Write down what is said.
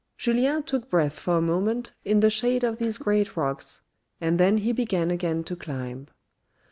Julien took breath for a moment in the shade of these great rocks, and then he began again to climb.